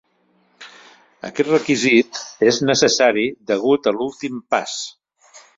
Aquest requisit és necessari degut a l"últim pas.